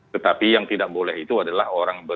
tetapi yang tidak boleh itu adalah orang